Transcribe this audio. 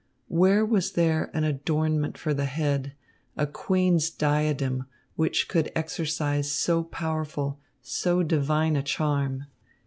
Where was there an adornment for the head, a queen's diadem, which could exercise so powerful, so divine a charm?